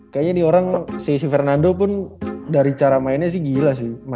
kayaknya nih orang siswi fernando pun dari cara mainnya sih gila sih